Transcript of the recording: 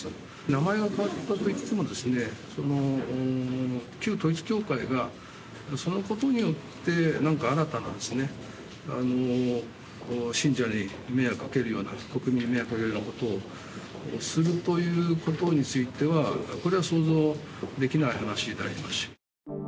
名前が変わったといっても、旧統一教会が、そのことによって何か新たな信者に迷惑をかけるような、国民に迷惑をかけるようなことをするということについては、これは想像できない話でありますし。